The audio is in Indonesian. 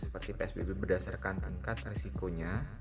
seperti psbb berdasarkan angkat resikonya